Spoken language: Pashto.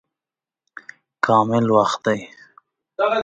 کامل وخت دی.